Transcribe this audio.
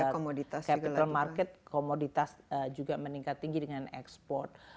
capital market komoditas juga meningkat tinggi dengan ekspor